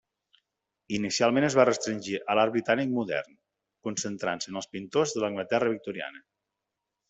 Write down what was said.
Inicialment es va restringir a l'art britànic modern, concentrant-se en els pintors de l'Anglaterra victoriana.